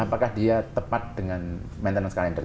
apakah dia tepat dengan maintenance kalender